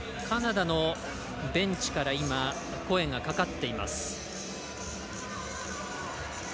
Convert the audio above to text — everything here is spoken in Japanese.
カナダのベンチから声がかかっています。